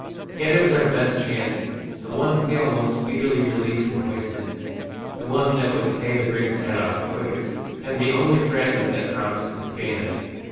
Yet it was our best chance; the one sail most speedily released and hoisted, the one that would pay the brig's head off quickest, and the only fragment that promised to stand.